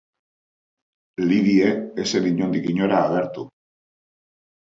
Lydie ez zen inondik inora agertu.